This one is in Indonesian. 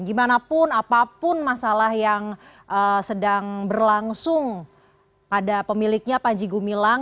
gimanapun apapun masalah yang sedang berlangsung pada pemiliknya panji gumilang